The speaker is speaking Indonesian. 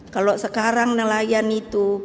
kalau sekarang nelayan itu